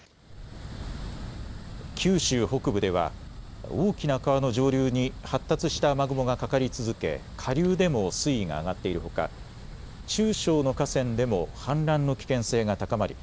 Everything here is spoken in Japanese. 九州北部では大きな川の上流に発達した雨雲がかかり続け下流でも水位が上がっているほか中小の河川でも氾濫の危険性が高まり